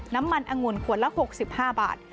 น้ำมันอังุ่นขวดละ๖๕บาท